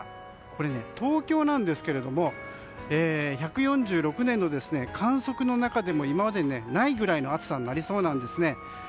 これ、東京なんですけど１４６年の観測の中でも今までにないぐらいの暑さになりそうなんですね。